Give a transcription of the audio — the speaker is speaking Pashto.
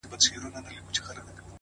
هڅاند انسان محدودیت نه مني’